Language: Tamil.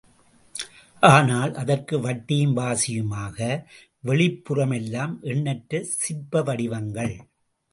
ஆனால், அதற்கு வட்டியும் வாசியுமாக, வெளிப்புறம் எல்லாம் எண்ணற்ற சிற்ப வடிவங்கள்.